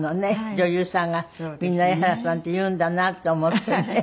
女優さんがみんな江原さんって言うんだなと思ってね。